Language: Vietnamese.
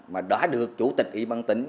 mà đã được chủ tịch y băng tính